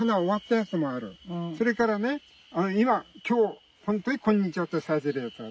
それからね今今日本当にこんにちはって咲いてるやつある。